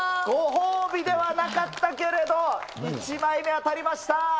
ご褒美ではなかったけれど、１枚目、当たりました。